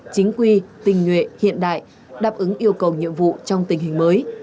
chính quy tình nguyện hiện đại đáp ứng yêu cầu nhiệm vụ trong tình hình mới